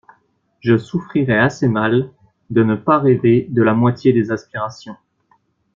Je souffrirai assez mal de ne pas rêver de la moitié des aspirations.